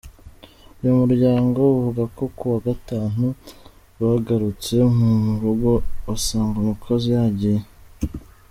Uyu muryango uvuga ko kuwa Gatanu bagarutse mu rugo basanga umukozi yagiye.